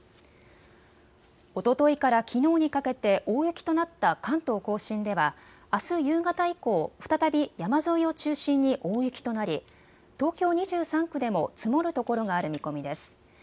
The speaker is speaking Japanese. おとといからきのうにかけて大雪となった関東甲信ではあす夕方以降、再び山沿いを中心に大雪となり東京２３区でも積もるところがある見込みです。